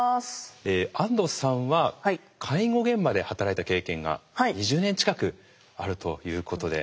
安藤さんは介護現場で働いた経験が２０年近くあるということで。